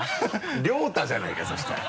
諒太じゃないかそしたら。